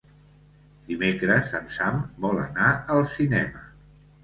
Dimecres en Sam vol anar al cinema.